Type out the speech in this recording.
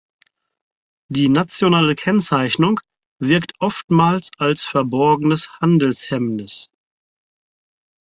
Die nationale Kennzeichnung wirkt oftmals als verborgenes Handelshemmnis.